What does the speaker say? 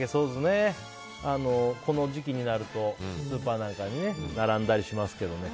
この時期になるとスーパーなんかに並んだりしますけどね。